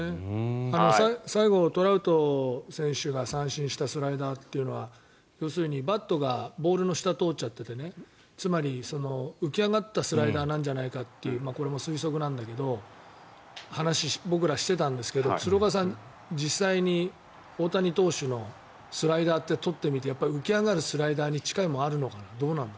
最後、トラウト選手が三振したスライダーというのは要するに、バットがボールの下を通っちゃっててつまり、浮き上がったスライダーじゃないかというこれも推測なんだけど僕らは話をしてたんだけど鶴岡さん、実際に大谷投手のスライダーってとってみて浮き上がるスライダーに近いものがあるのかな？